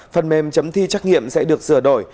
phần mềm chấm thi trắc nghiệm sẽ được sửa đổi